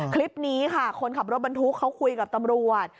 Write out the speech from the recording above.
คลิปนี้ค่ะคนขับรถบรรทุกเขาคุยกับตำรวจ